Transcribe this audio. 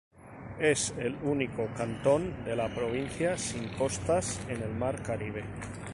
Es el único cantón de la provincia sin costas en el Mar Caribe.